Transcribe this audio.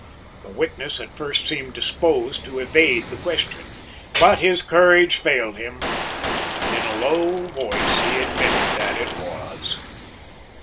The witness at first seemed disposed to evade the question, but his courage failed him and in a low voice he admitted that it was.